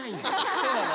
そうなの？